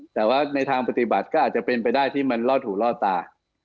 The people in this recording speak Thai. แต่ว่าในทางปฏิบัติก็อาจจะเป็นไปได้ที่มันลอดหูลอดตา